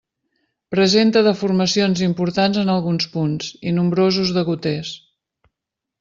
Presenta deformacions importants en alguns punts i nombrosos degoters.